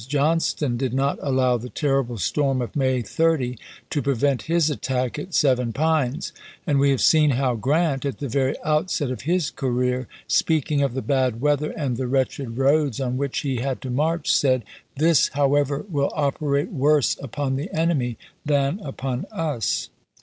Johnston did not allow the terrible storm of May 30 to prevent his attack at Seven Pines; 1862.. and we have seen how Grrant at the very outset of his career, speaking of the bad weather and the wretched roads on which he had to march, said :" This, however, will operate worse upon the ^°ot enemy ... than upon us."